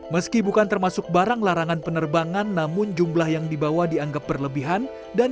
meski bukan termasuk barang larangan penerbangan namun jumlah yang dibawa dianggap berlebihan dan